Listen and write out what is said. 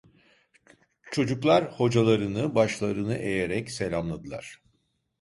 Çocuklar hocalarını başlarını eğerek selamladılar.